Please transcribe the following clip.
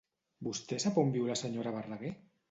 Vostè sap on viu la senyora Verdaguer?